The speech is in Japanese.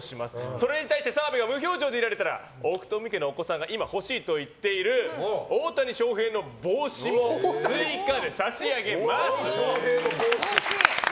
それに対して、澤部が無表情でいられたら奥冨家のお子さんが今、欲しいと言っている大谷翔平の帽子も追加で差し上げます！